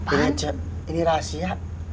iya cik ini rahasia